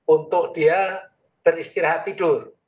untuk dia beristirahat tidur